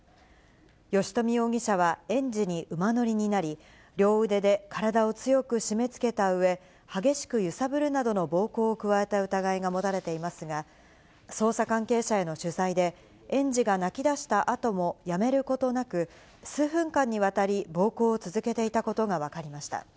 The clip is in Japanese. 吉冨容疑者は、園児に馬乗りになり、両腕で体を強くしめつけたうえ、激しく揺さぶるなどの暴行を加えた疑いが持たれていますが、捜査関係者への取材で、園児が泣きだしたあとも、やめることなく、数分間にわたり、暴行を続けていたことが分かりました。